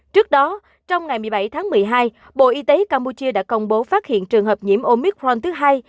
trước đó trong ngày một mươi bảy tháng một mươi hai bộ y tế campuchia đã công bố phát hiện trường hợp nhiễm omic ron thứ hai